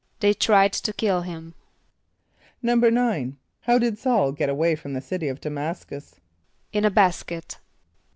=They tried to kill him.= =9.= How did S[a:]ul get away from the city of D[+a] m[)a]s´cus? =In a basket.